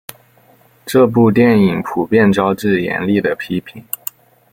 这部电影普遍招致严厉的批评。